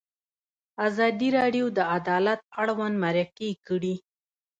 ازادي راډیو د عدالت اړوند مرکې کړي.